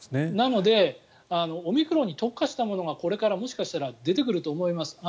なのでオミクロンに特化したものがこれからもしかしたら出てくると思います。